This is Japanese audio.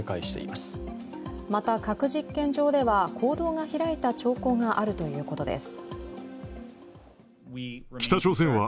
また、核実験場では坑道が開いた兆候があるということです。